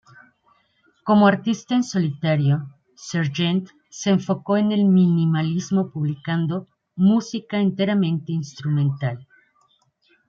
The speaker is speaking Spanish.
Como artista en solitario, Sergeant se enfocó en el minimalismo, publicando música enteramente instrumental.